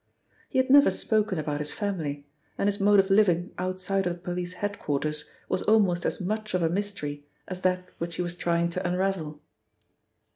He had never spoken about his family, and his mode of living outside of the police head quarters was almost as much of a mystery as that which he was trying to unravel.